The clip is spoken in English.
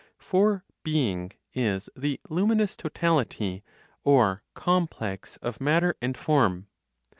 For "being" is the luminous totality (or complex of matter and form).